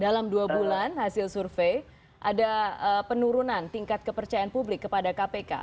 dalam dua bulan hasil survei ada penurunan tingkat kepercayaan publik kepada kpk